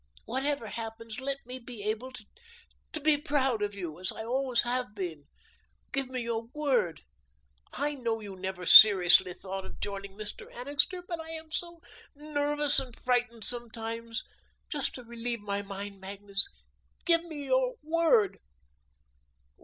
Whatever happens, let me always be able to be proud of you, as I always have been. Give me your word. I know you never seriously thought of joining Mr. Annixter, but I am so nervous and frightened sometimes. Just to relieve my mind, Magnus, give me your word."